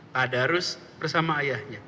tak ada harus bersama ayahnya